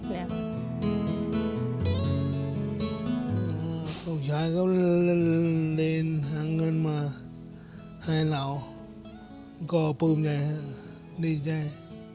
ลูกชายเขาเรียนหาเงินมาให้เรากอดปลืมใจดีใจ